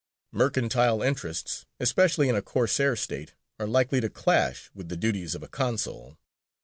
Mercantile interests, especially in a Corsair state, are likely to clash with the duties of a consul.